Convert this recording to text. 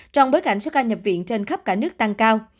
trong bối cảnh số ca nhập viện trên khắp cả nước tăng cao